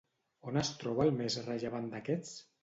On es troba el més rellevant d'aquests?